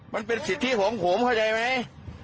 มันเป็นสิทธิของผมเข้าใจไหม